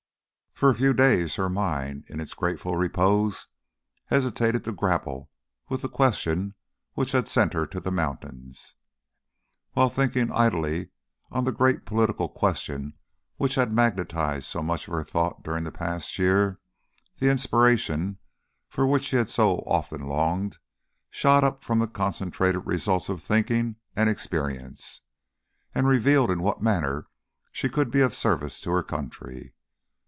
For a few days her mind, in its grateful repose, hesitated to grapple with the question which had sent her to the mountains; and on one of them, while thinking idly on the great political questions which had magnetized so much of her thought during the past year, the inspiration for which she had so often longed shot up from the concentrated results of thinking and experience, and revealed in what manner she could be of service to her country.